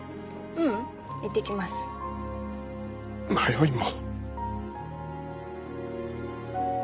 ううんいってきます迷いも。